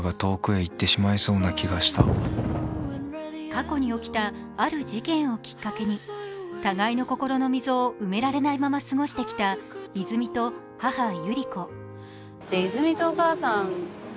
過去に起きた、ある事件をきっかけに互いの心の溝を埋められないまま過ごしてきた泉と母・百合子。